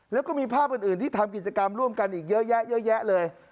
แล้วก็มีภาพอื่นที่ทำกิจกรรมร่วมกันอีกเยอะแยะเยอะแยะเลย